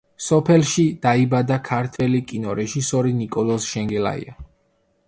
სოფელში დაიბადა ქართველი კინორეჟისორი ნიკოლოზ შენგელაია.